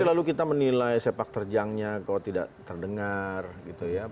tapi lalu kita menilai sepak terjangnya kok tidak terdengar gitu ya